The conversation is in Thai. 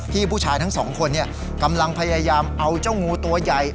ผู้ชายทั้งสองคนกำลังพยายามเอาเจ้างูตัวใหญ่